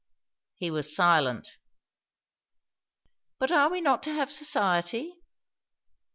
He was silent. "But are we not to have society?"